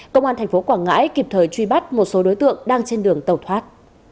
công an thành phố quảng ngãi kịp thời truy bắt một số đối tượng đang trên đường tàu thoát